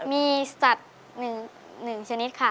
มีสัตว์หนึ่งชนิดค่ะ